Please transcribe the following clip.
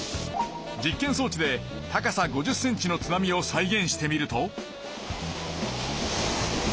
実験そうちで高さ５０ｃｍの津波をさいげんしてみると。